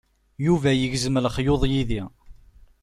Yuba yegzem lexyuḍ yid-i.